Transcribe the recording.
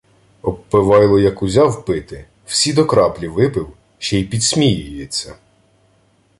Обпивайло як узяв пити, всі до краплі випив ще й підсміюється.